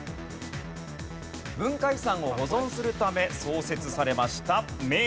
文化遺産を保存するため創設されました。